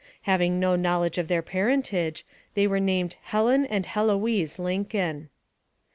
Having no knowledge of their parentage, they were named Helen and Heloise Lincoln.